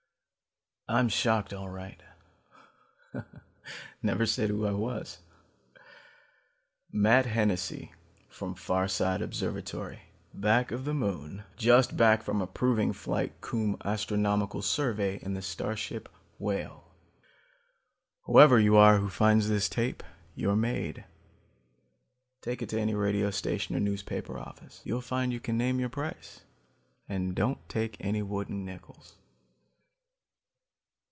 "I'm shocked all right. I never said who I was. Matt Hennessy, from Farside Observatory, back of the Moon, just back from a proving flight cum astronomical survey in the starship Whale. Whoever you are who finds this tape, you're made. Take it to any radio station or newspaper office. You'll find you can name your price and don't take any wooden nickels.